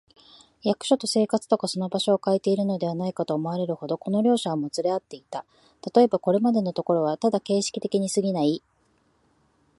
役所と生活とがその場所をかえているのではないか、と思われるほど、この両者はもつれ合っていた。たとえば、これまでのところはただ形式的にすぎない、